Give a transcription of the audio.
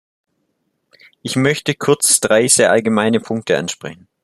Ich möchte kurz drei sehr allgemeinen Punkte ansprechen.